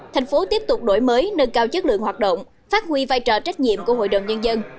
thành phố tiếp tục đổi mới nâng cao chất lượng hoạt động phát huy vai trò trách nhiệm của hội đồng nhân dân